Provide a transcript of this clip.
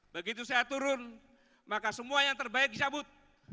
begitu saya turun maka semua yang terbaik dicabut